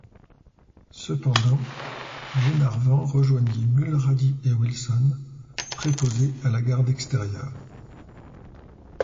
Cependant Glenarvan rejoignit Mulrady et Wilson, préposés à la garde extérieure.